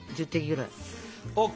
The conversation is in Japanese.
１０滴ぐらい。